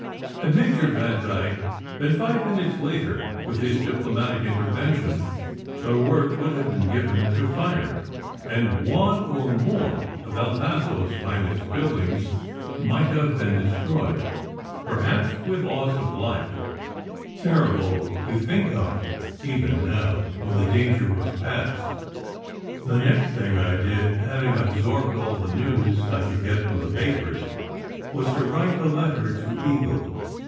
Had Major Vandyke been five minutes later with his diplomatic intervention the word would have been given to fire, and one or more of El Paso s finest buildings might have been destroyed, perhaps with loss of life terrible to think of even now when the danger was past. The next thing I did, having absorbed all the news I could get from the papers, was to write a letter to Eagle.